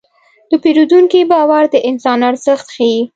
د پیرودونکي باور د انسان ارزښت ښيي.